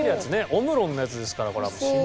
オムロンのやつですから。